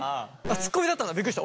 ツッコミだったんだびっくりした。